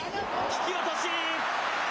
引き落とし。